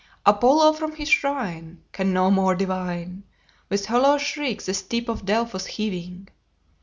Apollo from his shrine Can no more divine, With hollow shriek the steep of Delphos heaving.